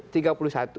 tiga puluh satu